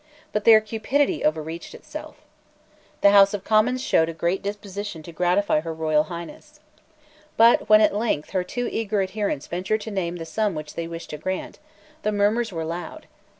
But their cupidity overreached itself. The House of Commons showed a great disposition to gratify Her Royal Highness. But, when at length her too eager adherents ventured to name the sum which they wished to grant, the murmurs were loud.